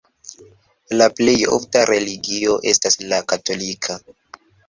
La plej ofta religio estas la katolika.